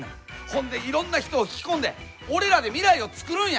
ほんでいろんな人を引き込んで俺らで未来を作るんや！